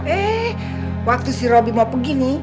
eh waktu si robi mau pergi nih